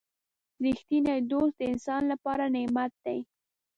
• رښتینی دوست د انسان لپاره نعمت دی.